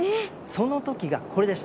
その時がこれでした。